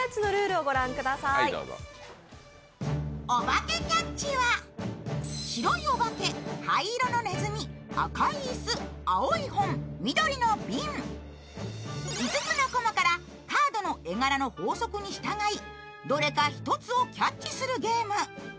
「おばけキャッチ」は白いおばけ、灰色のねずみ、赤い椅子、青い本、緑の瓶５つのこまからカードの絵柄の法則に従い、どれか１つをキャッチするゲーム。